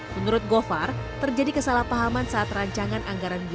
menurut govar terjadi kesalahpahaman saat rancangan anggaran biaya